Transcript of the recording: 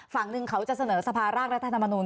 ฝั่งหนึ่งเขาจะเสนอสภาร่างรัฐธรรมนูล